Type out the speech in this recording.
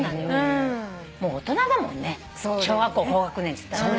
もう大人だもんね小学校高学年っつったら。